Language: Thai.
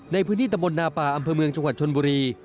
ในพื้นที่ตะบลนาป่าอำเภอเมืองจังหวัดชนบุรี